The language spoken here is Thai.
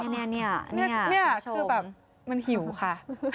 นี่คือแบบมันหิวค่ะ